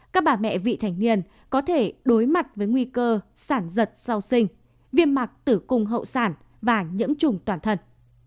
các bà mẹ vị thành niên có thể đối mặt với nguy cơ sản giật sau sinh viêm mạc tử cung hậu sản và nhiễm trùng toàn thân